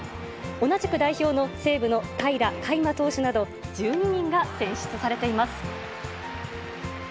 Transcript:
同じく代表の西武の平良海馬投手など、１２人が選出されています。